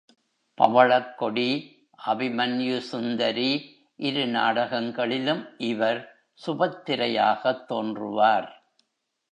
பவளக்கொடி, அபிமன்யுசுந்தரி இரு நாடகங்களிலும் இவர் சுபத்திரையாகத் தோன்றுவார்.